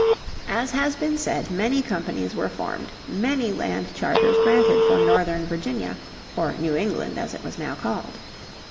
As has been said many companies were formed, many land charters granted for Northern Virginia, or New England, as it was now called.